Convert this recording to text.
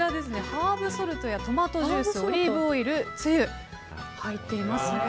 ハーブソルトやトマトジュースオリーブオイル、つゆが入っていますね。